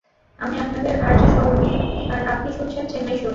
আমি আপনাদের আরজে সৌমি, আর আপনি শুনছেন চেন্নাই শো।